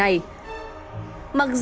là giá một kg